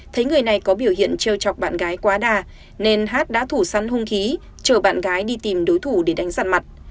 thấy người này có biểu hiện treo chọc bạn gái quá đà nên hát đã thủ sắn hung khí chở bạn gái đi tìm đối thủ để đánh giặt mặt